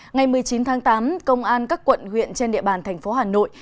ngày một mươi chín tháng tám công an các quận huyện trên địa bàn tp hà nội